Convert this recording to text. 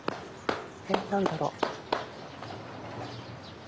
えっ何だろう。